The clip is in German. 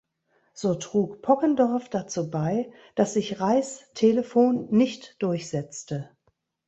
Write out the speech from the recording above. So trug Poggendorff dazu bei, dass sich Reis’ Telefon nicht durchsetzte.